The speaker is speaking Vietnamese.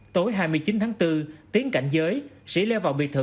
tối hai mươi chín tháng bốn tiến cảnh giới sĩ leo vào biệt thự